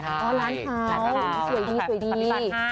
อ๋อร้านเท้าสวยดี